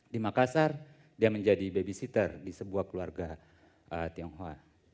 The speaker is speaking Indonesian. di makassar dia menjadi babysitter di sebuah keluarga tionghoa